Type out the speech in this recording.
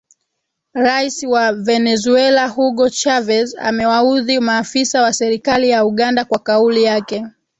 Rais wa Venezuela Hugo Chavez amewaudhi maafisa wa serikali ya Uganda kwa kauli yake